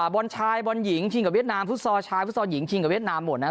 บอลชายบอลหญิงชิงกับเวียดนามฟุตซอลชายฟุตซอลหญิงชิงกับเวียดนามหมดนะครับ